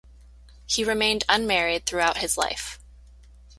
He remained unmarried throughout his life.